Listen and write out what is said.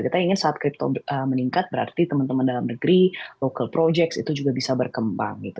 kita ingin saat crypto meningkat berarti teman teman dalam negeri local projects itu juga bisa berkembang gitu